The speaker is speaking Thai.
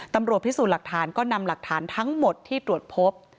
ตำรวจพิสูจน์หลักฐานก็นำหลักฐานทั้งหมดที่ตรวจพบ